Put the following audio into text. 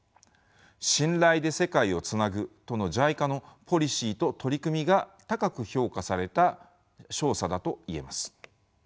信頼で世界をつなぐとのＪＩＣＡのポリシーと取り組みが高く評価された証左だと言えます。